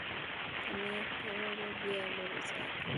که نه یې کړي، بیا به رضا کوم.